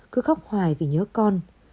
cứ khóc hoài vì nhớ con